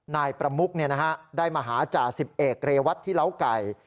นายประมุกได้มาหาจ่าสิบเอกเรวัตที่เล้าไก่